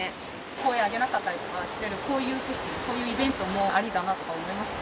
声上げなかったりとかしてる、こういうフェス、こういうイベントもありだなとか思いました？